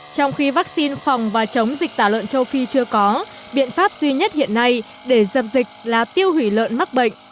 trong khi vaccine phòng và chống dịch tả lợn châu phi chưa có biện pháp duy nhất hiện nay để dập dịch là tiêu hủy lợn mắc bệnh